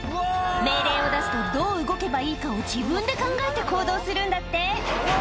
命令を出してどう動けばいいかを自分で考えて行動するんだって。